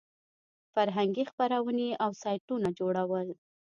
فرهنګي خپرونې او سایټونه جوړول.